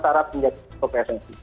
syarat penyakit ke pssi